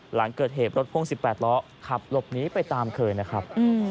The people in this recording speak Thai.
หลังเกิดเหตุรถพ่วง๑๘ล้อขับหลบหนีไปตามเคยนะครับ